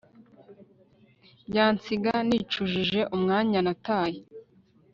Byansiga nicujije umwanya nataye